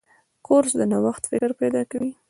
کورس د نوښت فکر پیدا کوي.